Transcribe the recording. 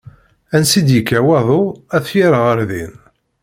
Ansi i d ikka waḍu, ad t-yerr ɣer din.